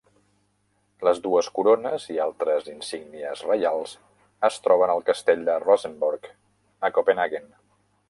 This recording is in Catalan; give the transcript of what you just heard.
Les dues corones, i altres insígnies reials, es troben al castell de Rosenborg, a Copenhaguen.